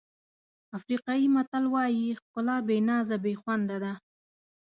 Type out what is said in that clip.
افریقایي متل وایي ښکلا بې نازه بې خونده ده.